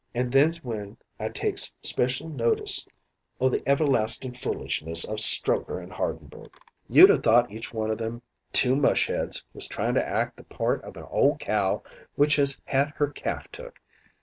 An' then's when I takes special notice o' the everlastin' foolishness o' Strokner and Hardenberg. "You'd a thought each one o' them two mush heads was tryin' to act the part of a ole cow which has had her calf took.